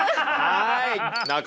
はい。